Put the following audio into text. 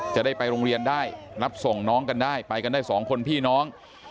จะได้ไปโรงเรียนได้รับส่งน้องกันได้ไปกันได้สองคนพี่น้อง